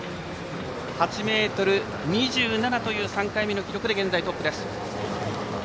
８ｍ２７という３回目の記録で現在トップです。